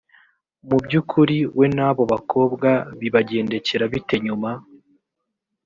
mu by ukuri we n abo bakobwa bibagendekera bite nyuma